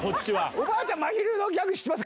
おばあちゃん、まひるのギャグ知ってます？